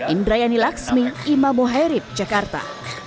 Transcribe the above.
indrayani laksmi imamu herit jakarta